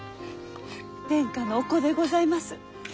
殿下のお子でございます。